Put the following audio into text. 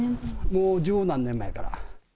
もう十何年前から。